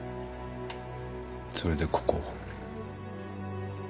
それでここを？